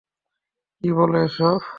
কী বলো এসব?